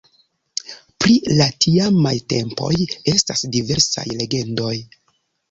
Pri la tiamaj tempoj estas diversaj legendoj.